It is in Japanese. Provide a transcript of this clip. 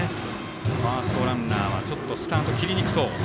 ファーストランナーはスタート切りにくそう。